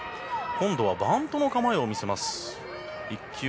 今度はバントの構えを見せます。